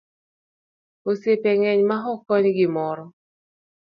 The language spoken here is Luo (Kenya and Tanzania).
Osiepe ngeny maok kony gimoro.